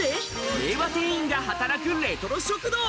令和店員が働くレトロ食堂！